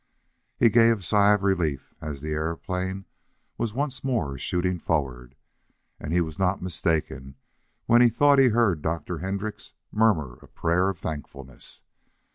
He gave a sigh of relief as the aeroplane was once more shooting forward, and he was not mistaken when he thought he heard Dr. Hendrix murmur a prayer of thankfulness.